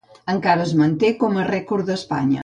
Encara es manté com a rècord d'Espanya.